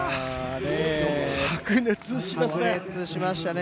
白熱しましたね。